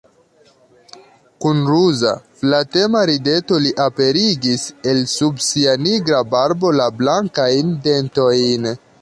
Kun ruza, flatema rideto li aperigis el sub sia nigra barbo la blankajn dentojn.